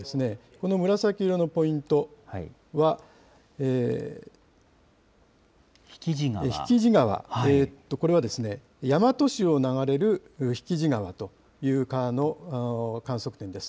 この紫色のポイントは、引地川、これは大和市を流れる引地川という川の観測点です。